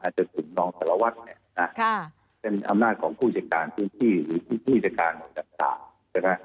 อาจจะถึงน้องแต่ละวัฒน์เป็นอำนาจของผู้จัดการผู้ที่หรือผู้จัดการในกรรมศาสตร์